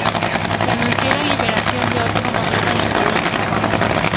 Se anunció la liberación de otro modelo en color marrón.